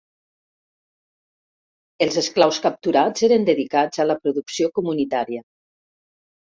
Els esclaus capturats eren dedicats a la producció comunitària.